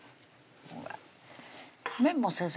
麺も先生